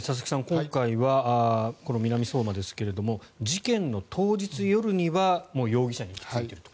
今回は南相馬ですけども事件の当日夜にはもう容疑者に行き着いていると。